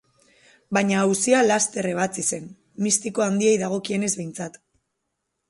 Baina auzia laster ebatzi zen, mistiko handiei dagokienez behintzat.